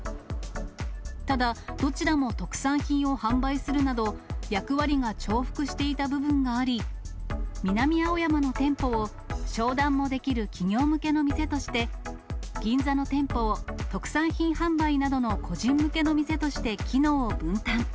ただ、どちらも特産品を販売するなど、役割が重複していた部分があり、南青山の店舗を商談もできる企業向けの店として、銀座の店舗を特産品販売などの個人向けの店として機能を分担。